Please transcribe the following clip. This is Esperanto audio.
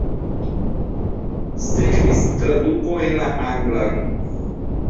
Sekvis traduko en la anglan.